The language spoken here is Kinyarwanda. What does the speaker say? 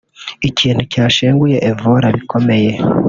ikintu cyashenguye Evora bikomeye